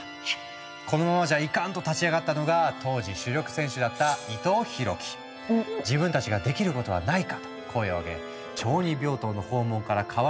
「このままじゃイカン！」と立ち上がったのが当時主力選手だった「自分たちができることはないか」と声を上げ小児病棟の訪問から河原のゴミ拾い